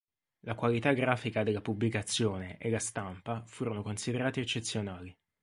La qualità grafica della pubblicazione e la stampa furono considerati eccezionali.